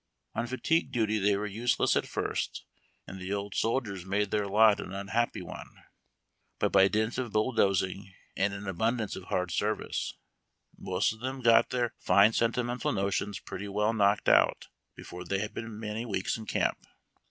On fatigue duty they were useless at first, and the old soldiers niade their lot an unhappy one ; but by dint of bulldozing and an abundance of hard service, most of them got their RAW RECRUITS. 207 fine sentimental notions pretty well knocked out before they had been many weeks in camp.